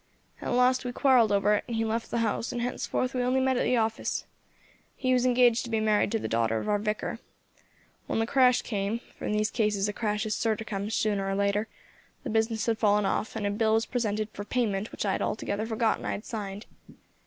At last we quarrelled over it, and he left the house, and henceforth we only met at the office. He was engaged to be married to the daughter of our Vicar. When the crash came for in these cases a crash is sure to come sooner or later the business had fallen off, and a bill was presented for payment which I had altogether forgotten I had signed.